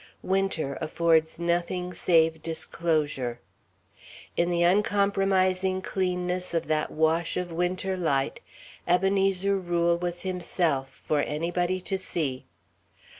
Winter affords nothing save disclosure. In the uncompromising cleanness of that wash of Winter light, Ebenezer Rule was himself, for anybody to see.